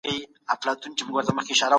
موږ د خپلو غاښونو په پاک ساتلو اخته یو.